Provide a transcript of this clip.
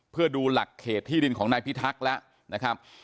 เพื่อดูหลักเขตที่ดินของนายพิทักษ์แล้วนะครับ